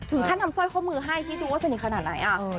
ท่านทำสร้อยข้อมือให้คิดดูว่าสนิทขนาดไหน